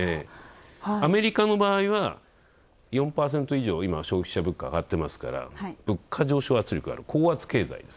アメリカの場合は４％以上、今、消費者物価が上がってますから、物価上昇圧力がある高圧経済です。